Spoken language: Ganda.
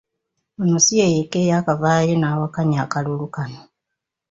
Ono ssi ye yekka eyakavaayo n'awakanya akalulu kano.